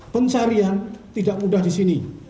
pencarian tidak mudah di sini